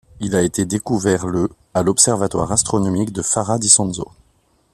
Il a été découvert le à l’Observatoire astronomique de Farra d'Isonzo.